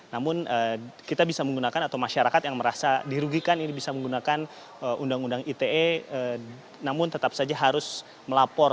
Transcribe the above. namun kita bisa menggunakan atau masyarakat yang merasa dirugikan ini bisa menggunakan undang undang ite namun tetap saja harus melapor